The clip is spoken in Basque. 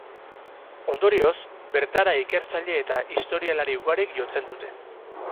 Ondorioz, bertara ikertzaile eta historialari ugarik jotzen dute.